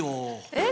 えっ？